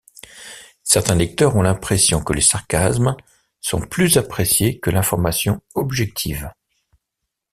Certains lecteurs ont l'impression que les sarcasmes sont plus appréciés que l'information objective.